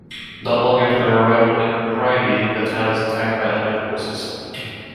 Not long after their arrival in Crydee, the town is attacked by unknown forces.